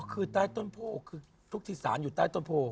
คือใต้ต้นโพคือทุกที่สารอยู่ใต้ต้นโพ